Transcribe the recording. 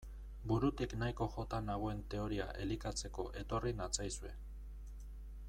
Burutik nahiko jota nagoen teoria elikatzeko etorri natzaizue.